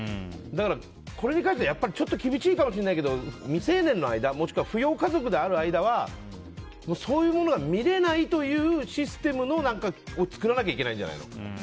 だから、これに関してはちょっと厳しいかもしれないけど未成年の間もしくは扶養家族である間はそういうものは見れないという何かシステムを作らなきゃいけないんじゃないの。